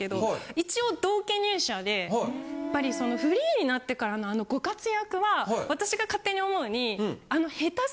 一応同期入社でやっぱりフリーになってからのあのご活躍は私が勝手に思うに。